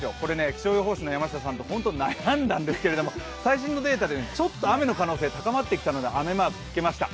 気象予報士の山下さんとほんと悩んだんですけど、最新のデータでちょっと雨の可能性高まってきたので雨マークつけました。